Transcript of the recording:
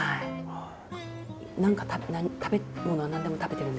何か「食べ物は何でも食べてるんですか？」とか。